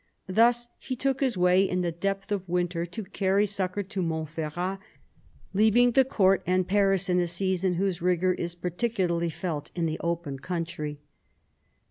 ... Thus he took his way, in the depth of winter, to carry succour to Montferrat, leaving the Court and Paris in a season whose rigour is particularly felt in the open country."